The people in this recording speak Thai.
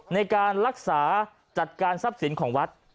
ในการรักษาจัดการทรัพย์สินของวัด